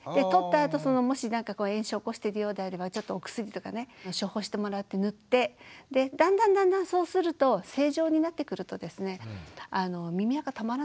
取ったあともしなんか炎症を起こしてるようであればちょっとお薬とかね処方してもらって塗ってでだんだんだんだんそうするとへえ！